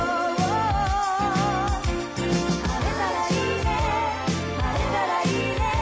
「晴れたらいいね晴れたらいいね」